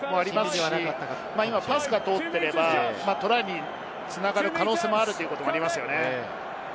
パスが通っていればトライに繋がる可能性もあるということがありますよね。